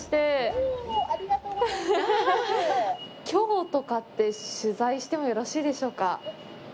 きょうとかって取材してもよろしいでしょうか。